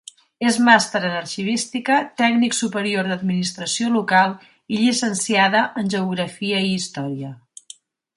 És màster en arxivística, tècnic superior d'Administració Local i llicenciada en Geografia i Història.